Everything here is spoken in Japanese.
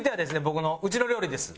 僕のうちの料理です。